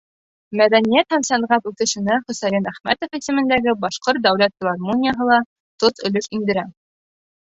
Мәҙәниәт һәм сәнғәт үҫешенә Хөсәйен Әхмәтов исемендәге Башҡорт дәүләт филармонияһы ла тос өлөш индерә.